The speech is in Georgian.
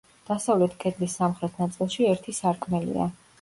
დასავლეთ კედლის სამხრეთ ნაწილში ერთი სარკმელია.